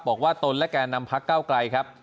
บอกว่าตนและแกนนำภักดิ์ก้าวไกลครับ